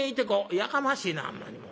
「やかましいなほんまにもう。